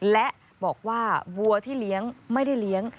และบอกว่าวัวที่เลี้ยงไม่ได้เลี้ยง